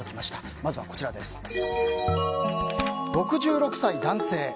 まずは、６６歳男性。